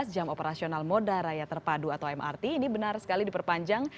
jam operasional moda raya terpadu atau mrt ini benar sekali diperpanjang